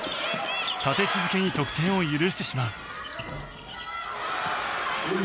立て続けに得点を許してしまう。